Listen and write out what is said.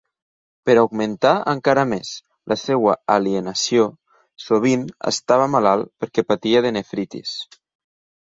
Per augmentar encara més la seva alienació, sovint estava malalt perquè patia de nefritis.